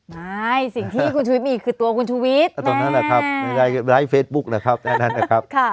ไม่สิ่งที่คุณชวิตมีคือตัวคุณชวิตแน่ไลฟ์เฟสบุ๊กนะครับแน่นั้นนะครับ